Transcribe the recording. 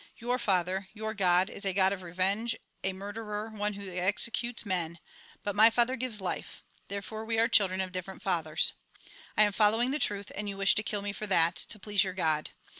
Your Father, your God, is a God of revenge, a murderer, one who executes men ; but my Father gives life. Therefore we are children of diflerent Fathers." " I am following the truth, and you wish to kill me for that, to please your God.